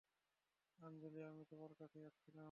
আঞ্জলি আমি তোমার কাছেই আসছিলাম।